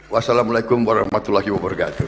wassalamu'alaikum warahmatullahi wabarakatuh